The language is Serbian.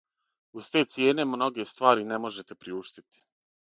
Уз те цијене, многе ствари не можете приуштити.